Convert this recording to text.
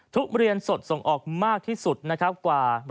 ทุกเรียนสดส่งออกมากที่สุดกว่า๑๕๒